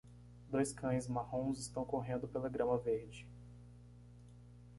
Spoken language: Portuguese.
Dois cães marrons estão correndo pela grama verde.